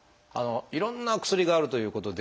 いろんな薬があるということで。